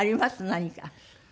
何か。